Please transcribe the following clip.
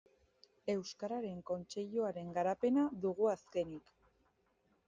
Euskararen Kontseiluaren garapena dugu azkenik.